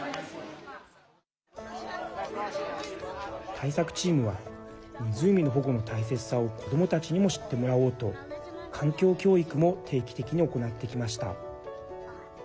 対策チームは湖の保護の大切さを子どもたちにも知ってもらおうと環境教育も定期的に行ってきました。